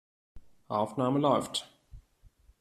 Aufnahme läuft.